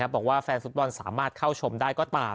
บอกว่าแฟนฟุตบอลสามารถเข้าชมได้ก็ตาม